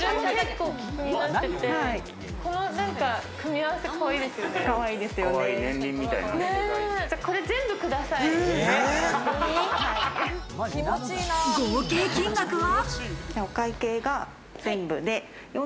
合計金額は。